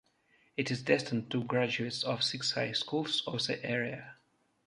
It is destined to graduates of six high schools of the area.